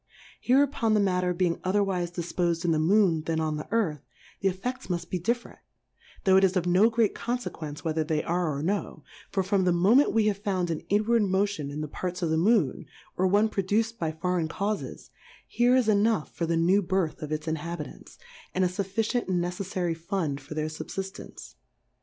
Hereupon the Matter being otherwife difpos'd in the Moon than on the Earth, the Effe£ls muft be different ; tho' it is of no great Confequence whether they are or no ; for from the Moment we have found an inward Motion in the Parts of the Moon, or one produced by foreign Caufes, here is enough for the new Birth of its Inhabitants, and a fuf ficient and neceffary Fund for their Sul> fiftance.